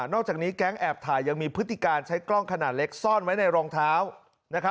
อกจากนี้แก๊งแอบถ่ายยังมีพฤติการใช้กล้องขนาดเล็กซ่อนไว้ในรองเท้า